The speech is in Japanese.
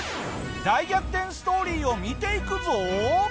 大逆転ストーリーを見ていくぞ！